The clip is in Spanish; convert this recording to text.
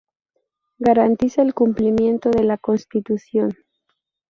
Garantiza el cumplimiento de la Constitución.